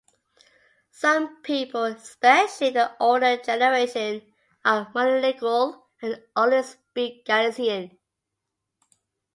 Some people, especially the older generation, are monolingual and only speak Galician.